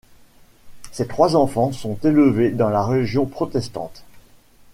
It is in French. Ses trois enfants sont élevés dans la religion protestante.